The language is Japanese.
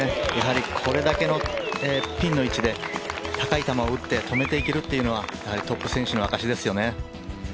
これだけのピンの位置で高い球を打って止めていけるというのはトップ選手の証ですよね。